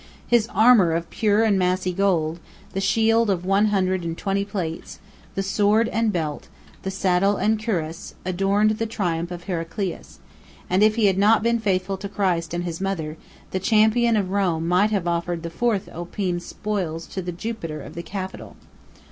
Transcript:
His armor of pure and massy gold, the shield of one hundred and twenty plates, the sword and belt, the saddle and cuirass, adorned the triumph of Heraclius; and if he had not been faithful to Christ and his mother, the champion of Rome might have offered the fourth opime spoils to the Jupiter of the Capitol.